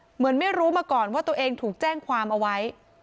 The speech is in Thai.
เหมือนไม่รู้มาก่อนว่าตัวเองถูกแจ้งความเอาไว้